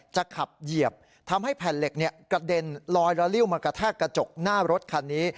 ขับเหยียบทำให้แผ่นเหล็กกระเด็นลอยละลิ้วมากระแทกกระจกหน้ารถคันนี้